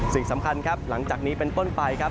สิ่งสำคัญครับหลังจากนี้เป็นต้นไปครับ